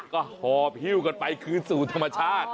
ก็หอบฮิ้วกันไปคืนสู่ธรรมชาติ